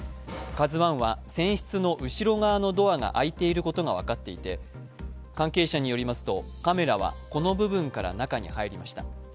「ＫＡＺＵⅠ」は船室の後ろ側のドアが開いていることが分かっていて関係者によりますと、カメラはこの部分から中に入りました。